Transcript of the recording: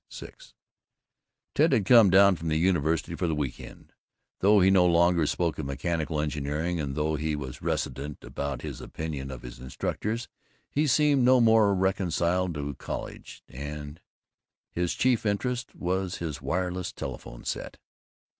VI Ted had come down from the University for the week end. Though he no longer spoke of mechanical engineering and though he was reticent about his opinion of his instructors, he seemed no more reconciled to college, and his chief interest was his wireless telephone set.